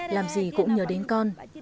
làm gì cũng nhớ đến con